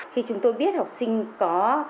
khi chúng tôi biết học sinh có